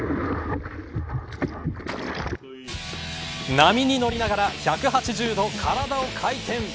波に乗りながら１８０度体を回転。